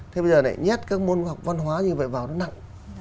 thế bây giờ lại nhét các môn học văn hóa như vậy vào nó nặng